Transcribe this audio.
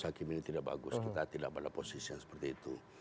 hakim ini tidak bagus kita tidak pada posisi yang seperti itu